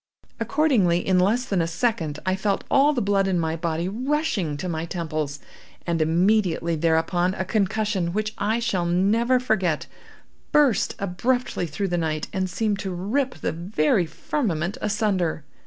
Accordingly, in less than a second, I felt all the blood in my body rushing to my temples, and immediately thereupon, a concussion, which I shall never forget, burst abruptly through the night and seemed to rip the very firmament asunder.